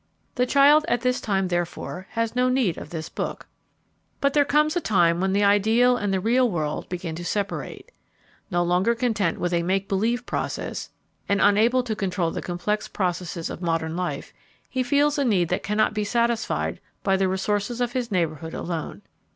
The child at this time, therefore, has no need of this book. But there comes a time when the ideal and the real world begin to separate. No longer content with a "make believe" process, and unable to control the complex processes of modern life, he feels a need that cannot be satisfied by the resources of his neighborhood alone.